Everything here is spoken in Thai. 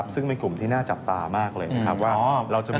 ซึ่งเป็นกลุ่มที่น่าจับตามากเลย